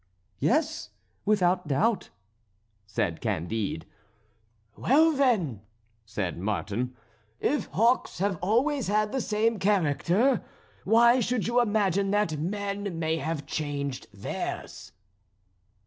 "Yes, without doubt," said Candide. "Well, then," said Martin, "if hawks have always had the same character why should you imagine that men may have changed theirs?"